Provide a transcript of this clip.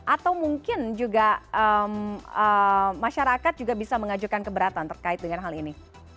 atau mungkin juga masyarakat juga bisa mengajukan keberatan terkait dengan hal ini